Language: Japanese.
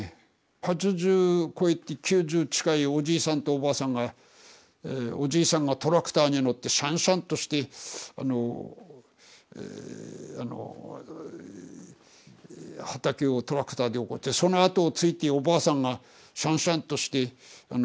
８０こえて９０近いおじいさんとおばあさんがおじいさんがトラクターに乗ってしゃんしゃんとしてあの畑をトラクターで起こしてそのあとをついておばあさんがしゃんしゃんとして種まきをやってる。